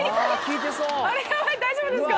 大丈夫ですか？